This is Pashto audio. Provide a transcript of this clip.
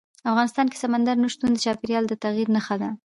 افغانستان کې سمندر نه شتون د چاپېریال د تغیر نښه ده.